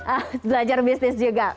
ah belajar bisnis juga